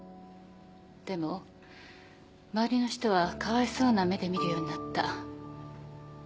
でも周りの人はかわいそうな目で見るようになった。